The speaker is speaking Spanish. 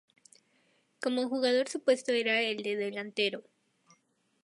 Como jugador su puesto era el de delantero.